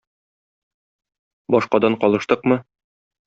Башкадан калыштыкмы?